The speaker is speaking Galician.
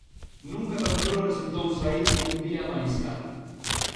Nunca tan duro resultou saír un día a mariscar.